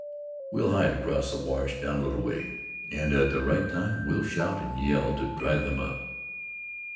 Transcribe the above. We'll hide across the wash, down a little way, and at the right time we'll shout and yell to drive them up."